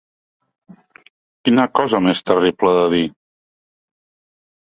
Quina cosa més terrible de dir.